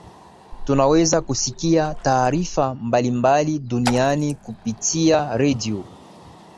tunaweza kusikia taarifa mbalimbali duniani kupitia redio